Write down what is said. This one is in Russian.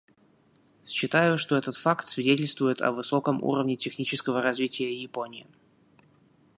Считаю, что этот факт свидетельствует о высоком уровне технического развития Японии.